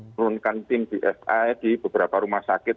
menurunkan tim dvi di beberapa rumah sakit